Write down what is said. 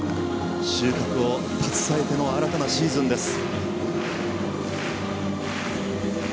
収穫を携えての新たなシーズンです。